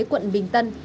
quận bình tân